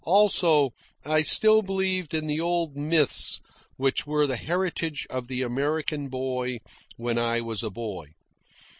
Also, I still believed in the old myths which were the heritage of the American boy when I was a boy.